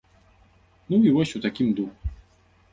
Ну і вось у такім духу.